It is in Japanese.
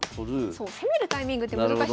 そう攻めるタイミングって難しいので。